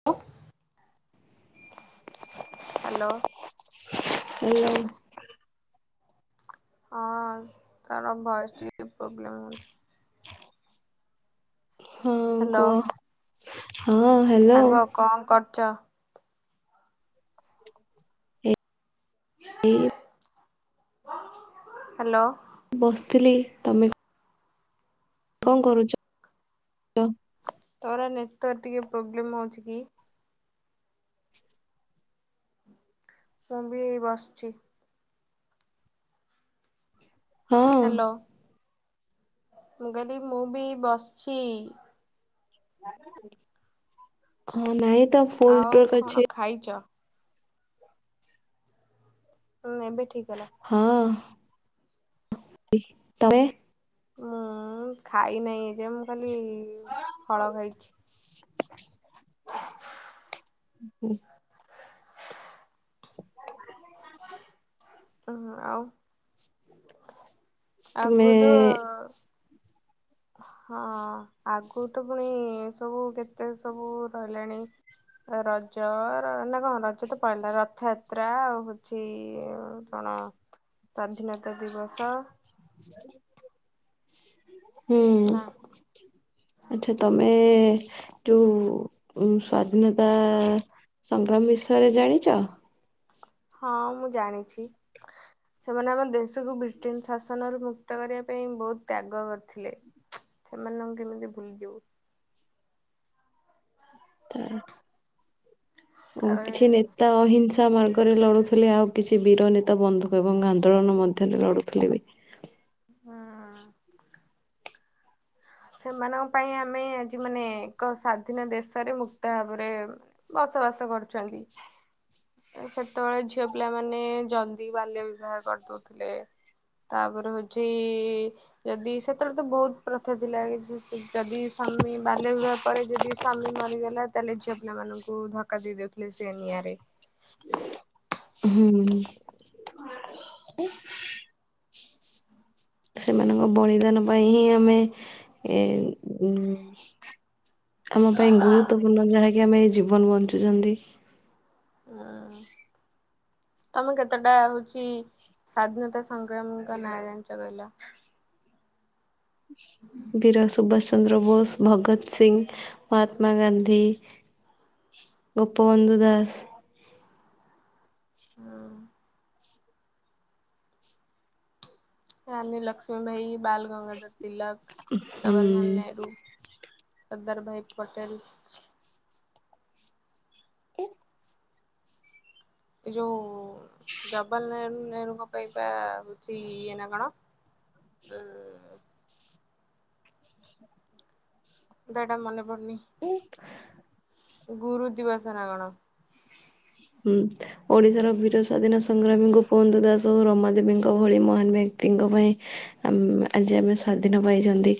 [unintelligible] Hello. Hello. ହଁ ତାର voice ଟିକେ ପ୍ରୋବ୍ଲେମ୍ ହଉଚି। ହଁ ହ୍ୟାଲୋ କୁହ [unintelligible] ସାଙ୍ଗ କଣ କରଚ? ହ [unintelligible] ଏ [unintelligible] ହାଲୋ। ବସିଥିଲି। ତମେ? କଣ କରୁଚ? ତୋର ନେଟୱାର୍କ ଟିକେ ପ୍ରୋବ୍ଲେମ୍ ହଉଚି କି? ମୁଁ ବି ବସିଛି। ହଁ ହାଲୋ। ମୁଁ କହିଲି, ମୁଁ ବି ବସିଛି। ହଁ ନାହିଁ ତ [unintelligible] ଆଉ ଅଛି କଣ ଖାଇଛ? ହୁଁ, ଏବେ ଠିକ ହେଲା। ହଁ, ତମେ। ମୁଁ ଖାଇ ନାହିଁ ଏ ଯେ, ମୁଁ ଖାଲି ଫଳ ଖାଇଛି‌। ହୁଁ। [unintelligible] ଓ ଆଉ ତୁମେ ଆଗରୁ ତ। ହଁ, ଆଗରୁ ତ ପୁଣି ସବୁ କେତେ ସବୁ ରହିଲାଣି? ରଜ ନା କଣ ରଜ ତ ପଳେଇିଲା, ରଥଯାତ୍ରା ଆଉ ହଉଛି, କଣ ସ୍ଵାଧୀନତା ଦିବସ? ହୁଁ। ନା ଆଚ୍ଛା। ତମେ ଯଉଁ ସ୍ଵାଧୀନତା ସଂଗ୍ରାମ ବିଷୟରେ ଜାଣିଛ? ହଁ, ମୁଁ ଜାଣିଛି। ସେମାନେ ଆମ ଦେଶକୁ ବ୍ରିଟେନ ଶାସନରୁ ମୁକ୍ତ କରିବା ପାଇଁ ବହୁତ ତ୍ୟାଗ କରିଥିଲେ ସେମାନଙ୍କୁ କେମିତି ଭୁଲିଯିବୁ। [unintelligible] ଓ ତାପରେ କିଛି ନେତ୍ରି ତା ଅହିଂସା ମାର୍ଗରେ ଲଢୁଥିଲେ ଆଉ କିଛି ବୀରନେତା ବନ୍ଧୁକ ଏବଂ ଆନ୍ଦୋଳନ ମଧ୍ୟରେ ଲଢୁଥିଲେବି ହଁ, ସେମାନଙ୍କ ପାଇଁ ଆମେ ଆଜି ମାନେ ଏକ ସ୍ଵାଧୀନ ଦେଶରେ ମୁକ୍ତ ଭାବରେ ବସବାସ କରୁଛନ୍ତି। ସେତେବେଳେ ଝିଅପିଲା ମାନେ ଜଲ୍ଦି ବାଲ୍ୟ ବିବାହ କରିଦଉଥିଲେ ତାପରେ ହଉଛି ଯଦି ସେତେବେଳେତ ବହୁତ ପ୍ର ଥା ଥିଲା କି ଯଦି ସ୍ୱାମୀ ବାଲ୍ୟବିବାହ ପରେ ଯଦି ସ୍ୱାମୀ ମରିଗଲା ତାହେଲେ ଝିଅ ପିଲାମାନଙ୍କୁ ଧ ଧକା ଦେଇଦେଉଥିଲେ ସେନିଆଁରେ ହୁଁ, ସେମାନଙ୍କ ବଳିଦାନ ପାଇଁ ହିଁ ଆମେ ଏ ଉ ଆମ ପାଇଁ ଗୁରୁତ୍ବପୂର୍ଣ୍ଣ ଯାହାକି ଆମେ ଏଇ ଜୀବନ ବଞ୍ଚୁଚନ୍ତି। ଆଉ ତମେ କେତେଟା ହଉଛି ସ୍ଵାଧୀନତା ସଂଗ୍ରାମୀଙ୍କ ନାଁ ଜାଣିଚ କହିଲ [unintelligible] ବୀରସୁଭାଷଚନ୍ଦ୍ରବୋଷ, ଭଗବତ ସିଂ, ମହାତ୍ମାଗାନ୍ଧୀ ଗୋପବନ୍ଧୁ ଦାସ ହଁ, ରାନୀଲକ୍ଷ୍ମୀବାଇ, ବାଲଗଙ୍ଗାଧର ତିଲକ, ହୁଁ ଜବାହରଲାଲ ନେହରୁ ସରଦାରଭାଇ ପଟେଲ ଏଇ ଯୋଉ ଜବାଲାଲ ନେହେରୁଙ୍କ ପାଇଁ ପା ହଉଛି ଇଏ ନା କଣ ହମ୍ମ ନା ନା ମନେ ପଡୁନି ଗୁରୁ ଦିବସନା କଣ ହୁଁ, ଓଡ଼ିଶାର ବୀର ସ୍ୱାଧୀନ ସଂଗ୍ରାମୀଙ୍କୁ ଗୋପବନ୍ଧୁ ଦାସ ଓ ରମାଦେବୀଙ୍କ ଭଳି ମହାନ ବ୍ୟକ୍ତିଙ୍କ ପାଇଁ ଆ ଆଜି ଆମେ ସ୍ଵାଧୀନ ପାଇଚନ୍ତି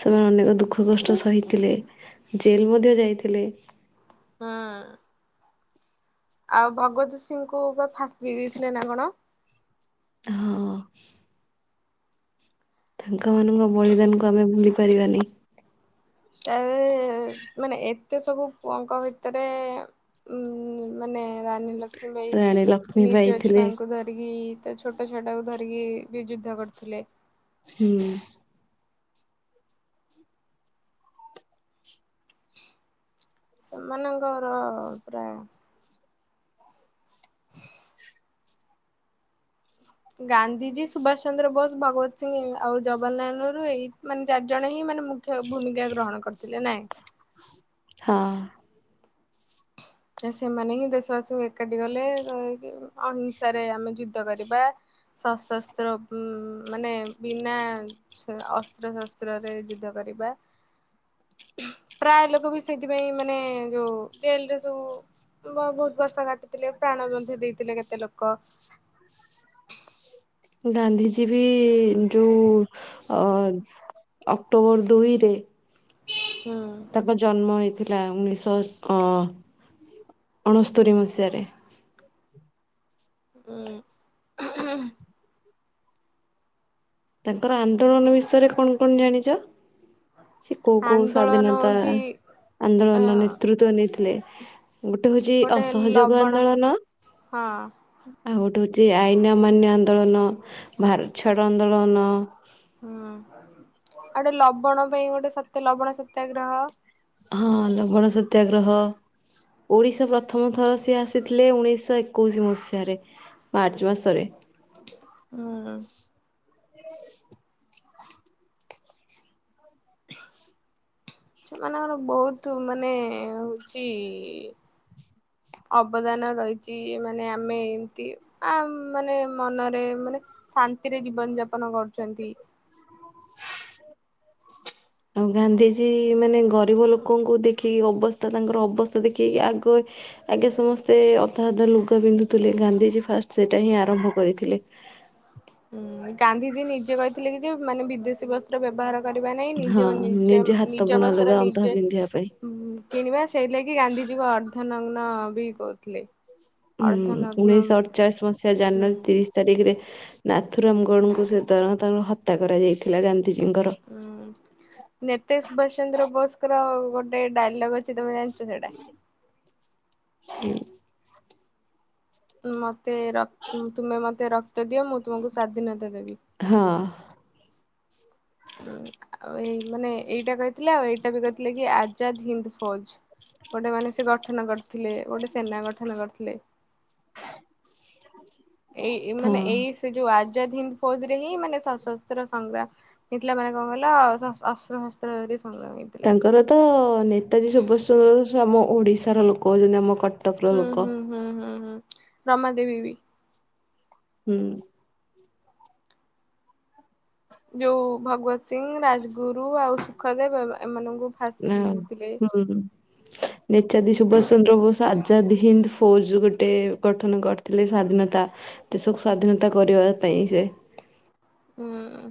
ସେମାନେ ଅନେକ ଦୁଃଖକଷ୍ଟ ସହିଥିଲେ। ଜେଲ ମଧ୍ୟ ଯାଇଥିଲେ ହଁ, ଆଉ ଭଗବତ ସିଂହଙ୍କୁ ଫାଶ ଦେଇ ଦେଇଥିଲେନା କଣ? ହଁ, ତାଙ୍କମାନଙ୍କ ବଳିଦାନକୁ ଆମେ ଭୁଲି ପାରିବାନି ତା ମାନେ ଏତେ ସବୁ ପୁଅଙ୍କ ଭିତରେ ଉଁ ମାନେ ରାନୀ ଲକ୍ଷ୍ମୀ ବାଇ ରାଣୀ ଲକ୍ଷ୍ମୀ ବାଇ ନିଜ ଥିଲେ। ଛୁଆଙ୍କୁ ଧରିକି ଏଛୋଟ ଛୁଆଟାକୁ ଧରିକିବି ଯୁଦ୍ଧ କରୁଥିଲେ ହୁଁ, ସେମାନଙ୍କର ପ୍ରାୟ ଗାନ୍ଧିଜୀ ସୁଭାଷ ଚନ୍ଦ୍ର ବୋଷ ଭଗବତ ସିଂହ ଆଉ ଜବାହାରଲାଲ ନେହେରୁ ଏଇ ମାନେ ଚାରିଜଣ ହିଁ ମାନେ ମୁଖ୍ୟ ଭୂମିକା ଗ୍ରହଣ କରିଥିଲେ ନାଇଁ ହଁ, ସେମାନେ ହିଁ ଦେଶବାସୀଙ୍କୁ ଏକାଠି କଲେ ଅହିଂସାରେ ଆମେ ଯୁଦ୍ଧ କରିବା ଶସସ୍ତ୍ର ଉଁ ଉଁ ମାନେ ବିନା ଅସ୍ତ୍ର ଶସ୍ତ୍ରରେ ଯୁଦ୍ଧ କରିବା ପ୍ରାୟ ଲୋକବି ସେଇଥିପାଇଁ ମାନେ ଯୋଉ ଜେଲରେ ସୁ ବା ବହୁତ ବର୍ଷ କାଟିଥିଲେ ପ୍ରାଣ ମଧ୍ୟ ଦେଇଥିଲେ କେତେ ଲୋକ ଗାନ୍ଧିଜୀବି ଯୋଉ ଅ ଅକ୍ଟୋବର ଦୁଇରେ ହୁଁ, ତାଙ୍କ ଜନ୍ମ ହୋଇଥିଲା ଉଣେଇଶହ ଅ ଅଣସ୍ତରି ମସିହାରେ ହୁଁ ତାଙ୍କର ଆନ୍ଦୋଳନ ବିଷୟରେ କଣ କଣ ଜାଣିଛ? ସେ କୋଉ କୋଉ ଆନ୍ଦୋଳନ ସ୍ଵାଧୀନତା ହଉଛି ଅ ଆନ୍ଦୋଳନର ନେତୃତ୍ଵ ନେଇଥିଲେ? ଗୋଟେ ହଉଛି ଗୋଟେ ଅସହଯୋଗ ଲବଣ ଆନ୍ଦୋଳନ ହଁ ଆଉ ଗୋଟେ ହେଉଛି ଆଇନ ଅମାନ୍ୟ ଆନ୍ଦୋଳନ ଭାରତ ଛାଡ଼ ଆନ୍ଦୋଳନ ହୁଁ ଆଉ ଗୋଟେ ଲବଣ ପାଇଁ ଗୋଟେ ସତ୍ୟ ଲବଣ ସତ୍ୟାଗ୍ରହ ହଁ ଲବଣ ସତ୍ୟାଗ୍ରହ ଓଡ଼ିଶା ପ୍ରଥମ ଥର ସେ ଆସିଥିଲେ ଉଣେଇଶହ ଏ କୋଇସି ମସିହାରେ ମାର୍ଚ୍ଚ ମାସରେ ହୁଁ [inaudible] ସେମାନଙ୍କର ବହୁତ ମାନେ ହଉଛି ଅବଦାନ ରହିଛି ମାନେ ଆମେ ଏମିତି ଆ ମାନେ ମନରେ ମାନେ ଶାନ୍ତିରେ ଜୀବନ ଯାପନ କରୁଛନ୍ତି। [inaudible] ଆଉ ଗାନ୍ଧିଜୀ ମାନେ ଗରିବ ଲୋକଙ୍କୁ ଦେଖିକି ଅବସ୍ଥା ତାଙ୍କର ଅବସ୍ଥା ଦେଖିକି ଆଗ ଆଗେ ସମସ୍ତେ ଅଧା ଅଧା ଲୁଗା ପିନ୍ଧୁଥିଲେ ଗାନ୍ଧିଜୀ ଫାଷ୍ଟ ସେଟା ହିଁ ଆରମ୍ଭ କରିଥିଲେ ହୁଁ ଗାନ୍ଧିଜୀ ନିଜେ କହିଥିଲେ କି ଯେ ମାନେ ବିଦେଶୀ ବସ୍ତ୍ର ବ୍ୟବହାର କରିବା ନାହିଁ ନିଜ ହଁ ନିଜ ନିଜେ ହାତ ନିଜ ବୁଣା ଅବସ୍ଥାରେ ଲୁଗା ଅଧା ନିଜେ ପିନ୍ଧିବା ପାଇଁ। କିଣିବା ସେଇଥିଲାଗି ଗାନ୍ଧିଜୀଙ୍କ ଅର୍ଦ୍ଧନଗ୍ନ ବି କହୁଥିଲେ ହୁଁ ଅର୍ଦ୍ଧନଗ୍ନ ଉଣେଇଶହ ଅଠଚାଳିଶ ମସିହା ଜାନୁୟରୀ ହୁଁ। ତିରିଶ ତାରିଖରେ ନାଥୁରାମଗଡ଼ଙ୍କୁ ସେ ଦର ତାଙ୍କୁର ହତ୍ୟା କରାଯାଇଥିଲା ଗାନ୍ଧିଜୀଙ୍କର ହୁଁ ନେତେ ସୁଭାଷ ଚନ୍ଦ୍ର ବୋଷଙ୍କର ଗୋଟେ ଡାଇଲଗ ଅଛି ତମେ ଜାଣିଛ ସେଇଟା ହଁ ମୋତେ ର ତୁମେ ମୋତେ ରକ୍ତ ଦିଅ ମୁଁ ତୁମକୁ ସ୍ୱାଧୀନତା ଦେବି ହଁ ଉଁ ଏଇ ମାନେ ଏଇଟା କହିଥିଲେ ଆଉ ଏଇଟା ବି କହିଥିଲେ କି ଆଜାଦ୍ ହିନ୍ଦ ଫୌଜ। ଗୋଟେ ମାନେ ସେ ଗଠନ କରିଥିଲେ ଗୋଟେ ସେନା ଗଠନ କରିଥିଲେ। ଛି ଏଇ ମାନେ ଏଇ ସେ ଯୋଉ ଆଜାଦ ହିନ୍ଦ ଫୌଜ ରେ ହିଁ ମାନେ ସଶସ୍ତ୍ର ସଂଗ୍ରାମ ହେଇଥିଲା କଣ କଲ୍ ମାନେ କଣ ଗଲା ଅସ୍ତ୍ର ଶସ୍ତ୍ର ଧରି ସଂଗ୍ରାମୀ ତାଙ୍କର ତ ନେତାଜୀ ସୁଭାଷ ଚନ୍ଦ୍ର ବୋଷ ଆମ ଓଡିଶାର ଲୋକ ହେଉଛନ୍ତି ଆମ କଟକ ହୁଁ ହୁଁ ହୁଁ ହୁଁ ହୁଁ ରମା ଦେବୀ ବି। ହୁଁ। ଯୋଉ ଭଗବତ ସିଂହ ରାଜଗୁରୁ ଆଉ ସୁଖଦେବ ଏମାନଙ୍କୁ ଫାଶୀ ଦେଇଥିଲେ। ହୁ ନେତାଜୀ ସୁଭାଷ ଚନ୍ଦ୍ର ବୋସ ଆ ଆଜାଦ ହିନ୍ଦ ଫୌଜ ଗୋଟେ ଗଠନ କରିଥିଲେ ସ୍ଵାଧୀନତା ଦେଶ କୁ ସ୍ଵାଧୀନତା କରିବା ପାଇଁ ସେ। ହୁଁ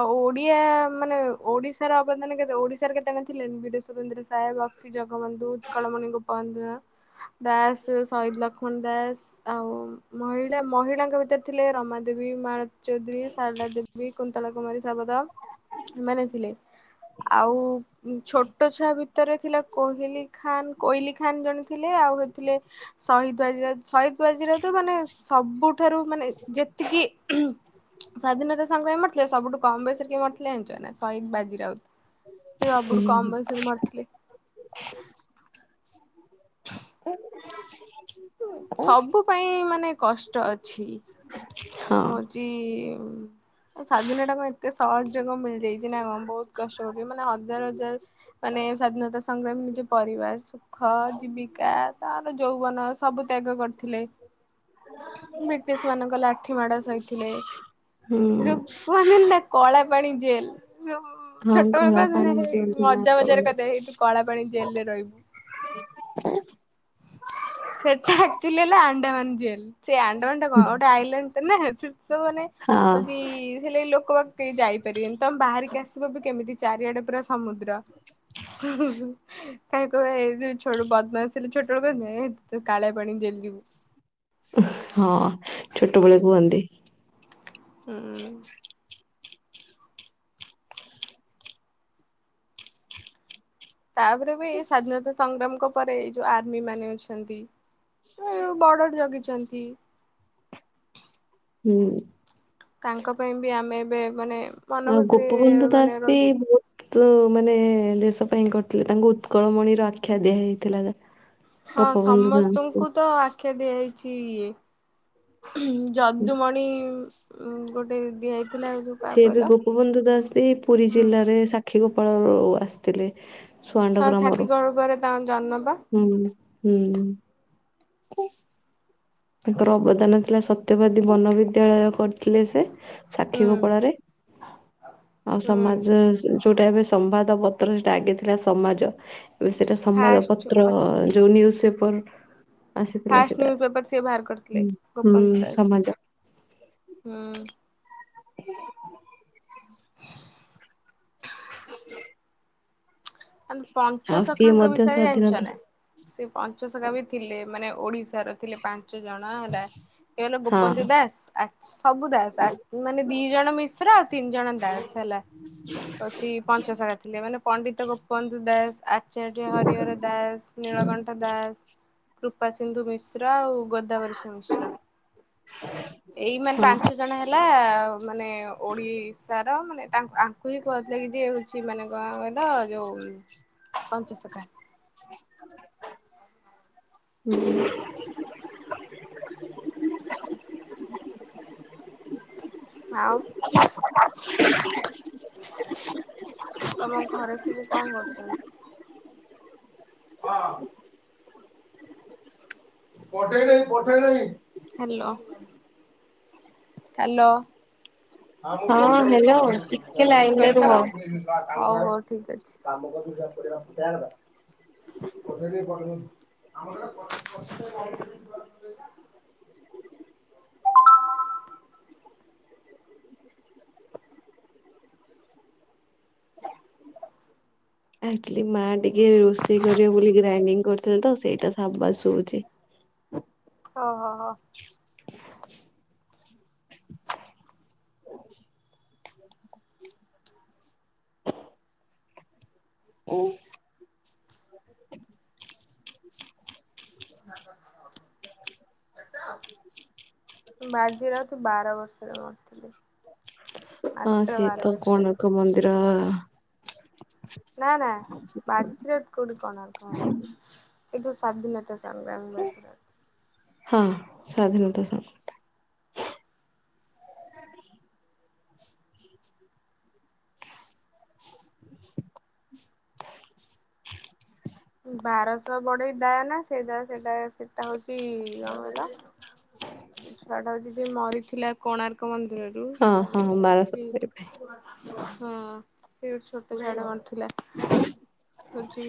ଆଉ ଓଡିଆ ମାନେ ଓଡିଶାର ଅବଦାନ କେତେ ଓଡିଶାର କେତେ ଜଣ ଥିଲେ ବିରେ ସୁରେନ୍ଦ୍ର ସାହେବ ଅ ଜଗବନ୍ଧୁ ଉତ୍କଳମଣି ଗୋପବନ୍ଧୁ ଦାସ। ଦାସ ସହିଦ ଲକ୍ଷ୍ମଣ ଦାସ ଆଉ ମହିଳା ମହିଳାଙ୍କ ଭିତରେ ଥିଲେ ରମା ଦେବୀ ମାରତ ଚୌଧୁରୀ ଶାରଳା ଦେବୀ କୁନ୍ତଳା କୁମାରୀ ଶାବଦ ଏମାନେ ଥିଲେ ଆଉ ଛୋଟ ଛୁଆ ଭିତରେ ଥିଲା କୋହଲି ଖାନ୍ କୋହଲିି ଖାନ ଜଣେ ଥିଲେ ଆଉ ହେଥିଲେ ଶହଦଜିର ଶହଦଜିର ତ ମାନେ ସବୁଠାରୁ ମାନେ ଯେତିକି ସ୍ୱାଧୀନତା ସଂଗ୍ରାମୀ ମରିଥିଲେ ସବୁଠୁ କମ୍ ବୟସରେ କି ମରିଥିଲେ ଜାଣିଛ ନାଁ ସହିଦ୍ ବାଜି ରାଉତ୍। ସେ ବାବୁଡୁ କମ୍ ବୟସରେ ମାରିଥିଲେ। ସବୁ ପାଇଁ ମାନେ କଷ୍ଟ ଅଛି। ହଁ ଜି ମ୍ ଆଉ ସ୍ଵାଧୀନଟା କଣ ଏତେ ସହଜ ମିଳିଯାଇଛି ନାଁ କଣ ବହୁତ୍ କଷ୍ଟ ପଡ଼ିଛି ମାନେ ହଜାର ହଜାର ମାନେ ସ୍ଵଧୀନତା ସଂଗ୍ରାମୀ ନିଜ ପରିବାର ସ ଖ ଜୀବିକା, ତାର ଯୌବନ ସବୁ ତ୍ୟାଗ୍ କରିଥିଲେ। ବ୍ରିଟିଶ୍ ମାନଙ୍କ ଲା ଲାଠି ମାଡ ସହିଥିଲେ ହୁଁ ଯୋଉ କୁହନ୍ତି ନାଁ କଳା ପାଣି ଜେଲ୍ ଯ ହଁ ଛୋଟବେଳେ କଳା କୁହନ୍ତିନି ପାଣି ହେଇ ପିଅନ୍ତିନା ମଜା ମଜାରେ ସେତେବେଳେ କଇ ଦେବେ ଏଇ ତୁ କଳା ପାଣି ଜେଲ୍ ରେ ରହିବୁ। ସେଟା ଏକ୍ଚୋଲି ହେଲା ଆଣ୍ଡାମାନ ଜେଲ୍। ସେ ଆଣ୍ଡାମାନ୍ ଟା କଣ ଗୋଟେ ଆଇଲାଣ୍ଡ ନାଁ ସେ ସେସବୁ ମାନେ ହଁ ହଉଛି ସେ ଲେଇ ଲୋକ ବାକ କେହି ଯାଇପାରିବେନି ତମେ ବାହାରିକି ଆସିବ ବି କେମିତି ଚାରିଆଡେ ପୁରା ସମୁଦ୍ ହୁଁ ହୁଁ। କାହିଁ କୁହା ଏଇ ଯୋଉ ଛୋ ବଦମାସ୍ ହେଲେ ଛୋଟବେଳେ କୁହିବେ ଏ ତୁ କାଳିଆ ପାଣି ଜେଲ୍ ଯିବୁ। ଉଁ ହଁ ଛୋଟବେଳେ କୁହନ୍ତି। ଉଁ। ତାପରେ ବି ସାଧୀନତା ସଂଗ୍ରାମଙ୍କ ପରେ ଏଇ ଯୋଉ ଆର୍ମି ମାନେ ଅଛନ୍ତି ଏ ଯୋଉ ବର୍ଡ଼ର ଜଗିଚନ୍ତି। ହୁଁ। ତାଙ୍କ ପାଇଁ ବି ଆମେ ଏବେ ମାନେ ମନ ଆଉ ଖୁସିରେ ଗୋପବନ୍ଧୁ ମାନେ ଦାସ ବି ରହୁଛୁ। ବହୁତ୍ ତ ମାନେ ଦେଶ ପାଇଁ କରିଥିଲେ ତାଙ୍କୁ ଉତ୍କଳମଣି ର ଆଖ୍ୟା ଦିଆ ହେଇଥିଲା ଯା ହଁ ସମସ୍ତଙ୍କୁ ତ ଆ ଆଖ୍ୟା ଦିଆଯାଇଚି ଇଏ ଉଁହୁଁ ଯଦ୍ଦୁମଣି ଉଁ ଗୋଟେ ଦିଆ ସିଏ ବି ଗୋପବନ୍ଧୁ ଦାସ ବି ପୁରୀ ହୁଁ ଜିଲ୍ଲାରେ ସା ସାକ୍ଷୀଗୋପାଳରୁ ଆସିଥିଲେ। ସୁଆଣ୍ଡ ହଁ ସାକ୍ଷୀ ଗ୍ରାମରୁ, ଗଳ୍ପରେ ତାଙ୍କ ଜନ୍ମ ପା ହୁଁ ହୁଁ। ତାଙ୍କର ଅବଦାନ ଥିଲା ସତ୍ୟବାଦୀ ବନବିଦ୍ୟାଳୟ କରିଥିଲେ ସେ ସାକ୍ଷୀଗୋପାଳାରେ। ଅଁ ଆଉ ସମାଜ ଯୋଉଟା ଏବେ ସମ୍ବାଦ ପତ୍ର ସେଇଟା ଆଗେ ଥିଲା ସମାଜ। ଏବେ ସେଇଟା ସମ୍ବାଦ ପତ୍ର ଯୋଉ ନ୍ୟୁଜ ପେପର୍। ଫାଷ୍ଟ ନ୍ୟୁପେପର ସେ ବାହାର କର ହୁଁ ହୁଁ ସମାଜ। ହୁଁ। [unintelligible] ଆଲ ଆଉ ସିଏ ପଞ୍ଚଶଖାଙ୍କ ମଧ୍ୟ ବିଷୟ ରେ ଜାଣିଛ ସ୍ଵାଧୀନତା ନା? ସେ ପଞ୍ଚଶଖା ବି ଥିଲେ, ମାନେ ଓଡିଶାର ଥିଲେ ପାଞ୍ଚ ଜଣ ହେଲା। ସିଏ ହେଲେ ହଁ ଗୋପବନ୍ଧୁ ଦାସ ଆ ସବୁ ଦାସ ଆ ମାନେ ଦି ଜଣ ମିଶ୍ର ତିନି ଜଣ ଦାସ୍ ହେଲା ହଉଛି ପଞ୍ଚସଖା ଥିଲେ ମାନେ ପଣ୍ଡିତ ଗୋପବନ୍ଧୁ ଦାସ ଆଚ୍ ଆଚାର୍ଯ୍ୟ ହରିହର ଦାସ, ନୀଳକଣ୍ଠ ଦାସ, କୃପା ସିନ୍ଧୁ ମିଶ୍ର, ଆଉ ଗୋଦ୍ ଗୋଦାବରୀଶ ମିଶ୍ର ଏଇ ମାନେ ହଁ ପାଞ୍ଚ ଜଣେ ହେଲା ମାନେ ଓଡି ସାର ମାନେ ତା ଆଙ୍କୁ ହିଁ କୁହା ହଉଥିଲା କି ଯେ ହଉଛି ମାନେ ଗଁ କଇଲ ଯୋଉ ପଞ୍ଚସଖା। ଆଉ ତମ ଘରେ ସବୁ କଣ କରୁଛନ୍ତି? ଅ ପଠେଇ ଦେ ପଠେଇ ଦେ ହାଲୋ। ହାଲୋ ହଁ ପଠେଇଦେଲି ହ୍ୟାଲୋ ଟିକେ ପଠାଉଦେଉଛି ମୁଁ ଲାଇନରେ କହିଲି ତମ ରୁହ। ହଉ ହଉ ଠିକ ଅଛି। [unintelligible] ଆଚୁଲି ମା ଟିକେ ରୋଷେଇ କରିବ ବୋଲି ଗ୍ରାଇଣ୍ଡିଙ୍ଗ କରିଥିଲେ ତ ସେଇଟା ଆବାସ ସୁବୁଛି। ଓହୋ ହୋ। ଓ ବାଜି ରାଉତୁ ବାର ବର୍ଷରେ ମରିଥିଲେ। ହଁ ମାତ୍ର ବାର ସେଇତ ବର୍ଷରେ କୋଣାର୍କ ମନ୍ଦିର ନା ନା ବାଜିରାଉତ କୋଉଠି କୋଣାର୍କ ଏ ଯଉ ସଧୀନତା [unintelligible] ହଁ ସ୍ୱାଧୀନତା ସ ବାରଶହ ବଢେଇ ଦା ନା ସେଟା ସେଟା ସେଟା ହଉଛି କଣ ହେଲା? ସେ ଛୁଆ ଟା ହଉଛି ଯ ମରିଥିଲା କୋଣାର୍କ ମନ୍ଦିରରେ। ହଁ ହଁ ବାରଶରୀ ପାଇଁ। ହଁ ସେଇ ଗୋଟେ ଛୋଟ ଛୁଆ ଟେ ମାରିଥିଲା ହୋଉଛି